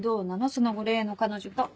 その後例の彼女と。